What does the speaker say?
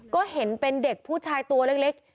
ก็เห็นเป็นเด็กผู้ชายตัวเล็ก